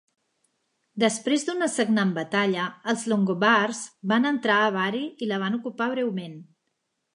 Després d'una sagnant batalla els longobards van entrar a Bari i la van ocupar breument.